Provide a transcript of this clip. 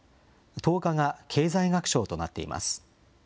１０日が経済学賞となっています。